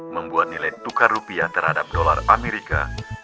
membuat nilai tukar rupiah terhadap dolar amerika